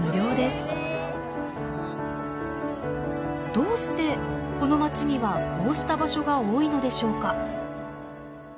どうしてこの町にはこうした場所が多いのでしょうか。